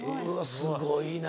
すごいな。